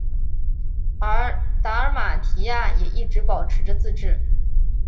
而达尔马提亚也一直保持着自治。